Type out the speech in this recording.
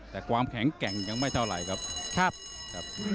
แต่ความแข็งแกร่งยังไม่เท่าไหร่ครับ